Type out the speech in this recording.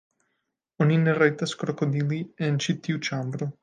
Oni ne rajtas krokodili en ĉi tiu ĉambro.